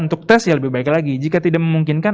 untuk tes ya lebih baik lagi jika tidak memungkinkan